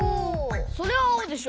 それはあおでしょ。